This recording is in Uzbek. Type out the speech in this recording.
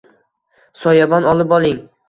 Soyabon olib oling.